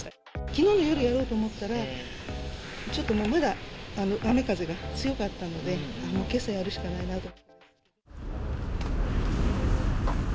きのうの夜やろうと思ったら、ちょっとまだ雨、風が強かったので、けさやるしかないなと。